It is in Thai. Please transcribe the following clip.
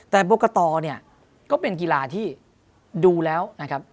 แต่บกตเนี่ยก็เป็นกีฬาที่ดูแล้วนะครับ